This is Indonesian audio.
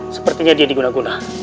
sepertinya dia diguna guna